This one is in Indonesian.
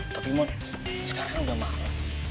tapi man sekarang udah malem